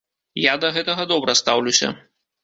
Я да гэтага добра стаўлюся.